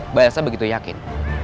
mbak elsa begitu yakin